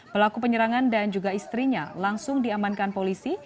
pelaku penyerangan dan juga istrinya langsung diamankan polisi